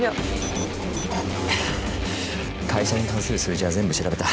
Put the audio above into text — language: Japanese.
会社に関する数字は全部調べた。